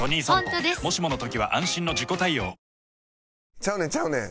「ちゃうねんちゃうねん。